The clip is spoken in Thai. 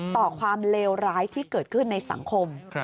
ต่อความเลวร้ายที่เกิดขึ้นในสังคม